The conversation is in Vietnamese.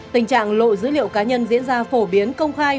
tình trạng lộ dữ liệu cá nhân diễn ra phổ biến công khai